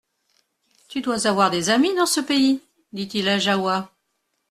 Tu dois avoir des amis dans ce pays ? dit-il à Jahoua.